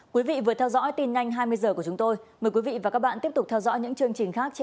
quý vị vừa theo dõi tin nhanh hai mươi h của chúng tôi mời quý vị và các bạn tiếp tục theo dõi những chương trình khác trên